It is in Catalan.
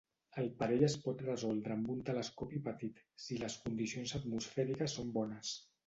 El parell es pot resoldre amb un telescopi petit si les condicions atmosfèriques són bones.